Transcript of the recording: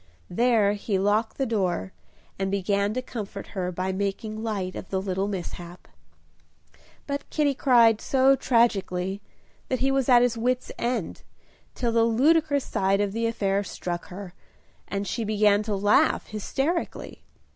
There he locked the door, and began to comfort her by making light of the little mishap. But Kitty cried so tragically, that he was at his wit's end, till the ludicrous side of the affair struck her, and she began to laugh hysterically.